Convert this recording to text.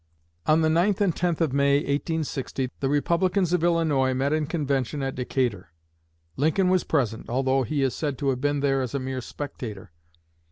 On the 9th and 10th of May, 1860, the Republicans of Illinois met in convention at Decatur. Lincoln was present, although he is said to have been there as a mere spectator.